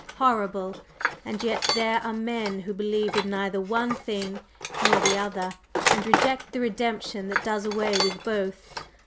Horrible! And yet there are men who believe in neither one thing nor the other, and reject the Redemption that does away with both!